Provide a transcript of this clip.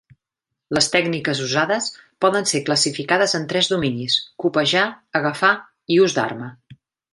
Les tècniques usades poden ser classificades en tres dominis: copejar, agafar, i ús d'arma.